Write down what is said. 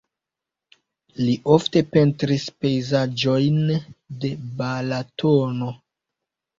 Li ofte pentris pejzaĝojn de Balatono.